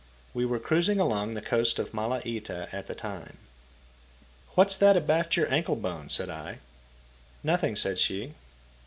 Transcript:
We were cruising along the coast of Malaita at the time. "What's that abaft your ankle bone?" said I. "Nothing," said she.